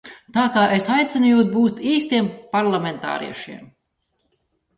Tā ka es aicinu jūs būt īstiem parlamentāriešiem!